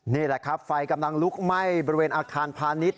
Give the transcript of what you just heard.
นี่แหละครับไฟกำลังลุกไหม้บริเวณอาคารพาณิชย